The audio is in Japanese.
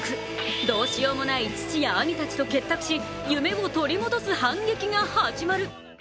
どうしようもない父や兄たちと結託し夢を取り戻す反撃が始まる。